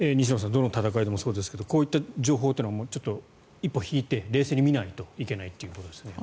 どの戦いでもそうですがそういった情報というのは一歩引いて冷静に見ないといけないということですね。